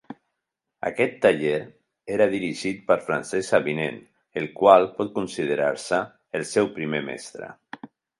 Aquest taller era dirigit per Francesc Avinent, el qual pot considerar-se el seu primer mestre.